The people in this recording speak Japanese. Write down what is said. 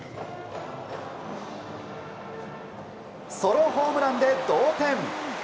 ソロホームランで同点。